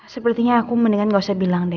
sepertinya aku mendingan gak usah bilang deh